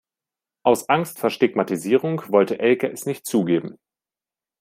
Aus Angst vor Stigmatisierung wollte Elke es nicht zugeben.